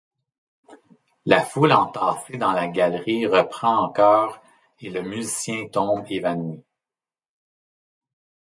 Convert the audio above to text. La foule entassée dans la galerie reprend en chœur et le musicien tombe évanoui.